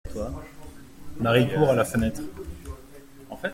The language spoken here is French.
Marie court à la fenêtre.